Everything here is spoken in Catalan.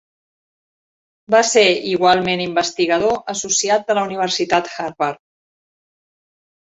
Va ser igualment investigador associat de la Universitat Harvard.